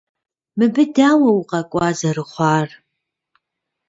Мыбы дауэ укъэкӀуа зэрыхъуар?